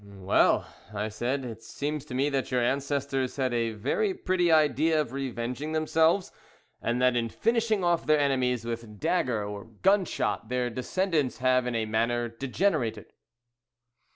"Well," I said, "it seems to me that your ancestors had a very pretty idea of revenging themselves, and that in finishing off their enemies with dagger or gunshot their descendants have in a manner degenerated!"